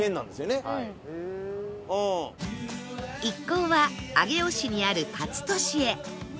一行は上尾市にあるかつ敏へ